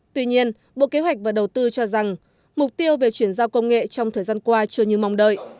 tuy nhiên bộ kế hoạch và đầu tư cho rằng mục tiêu về chuyển giao công nghệ trong thời gian qua chưa như mong đợi